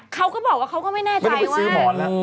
เขาก็บอกว่าเขาก็ไม่แน่ใจว่า